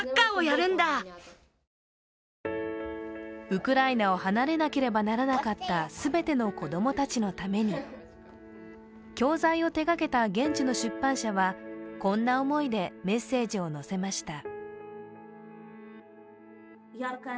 ウクライナを離れなければならなかった全ての子供たちのために教材を手がけた現地の出版社は、こんな思いでメッセージを載せました。